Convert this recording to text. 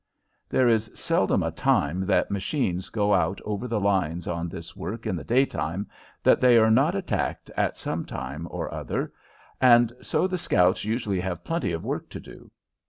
There is seldom a time that machines go out over the lines on this work in the daytime that they are not attacked at some time or other, and so the scouts usually have plenty of work to do.